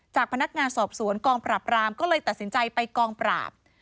พนักงานสอบสวนกองปราบรามก็เลยตัดสินใจไปกองปราบ